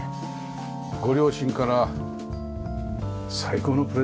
ご両親から最高のプレゼントだよね。